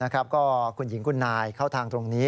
ก็คุณหญิงคุณนายเข้าทางตรงนี้